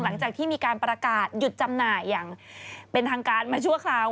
หลังจากที่มีการประกาศหยุดจำหน่ายอย่างเป็นทางการมาชั่วคราว